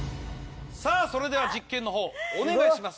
さぁそれでは実験のほうお願いします！